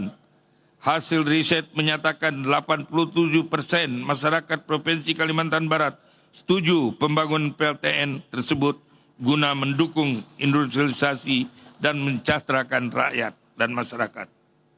dan hasil riset menyatakan delapan puluh tujuh persen masyarakat provinsi kalimantan barat setuju pembangunan pltn tersebut guna mendukung industrialisasi dan mencahterakan rakyat dan masyarakat